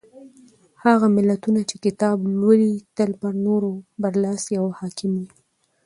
هغه ملتونه چې کتاب لولي تل پر نورو برلاسي او حاکم وي.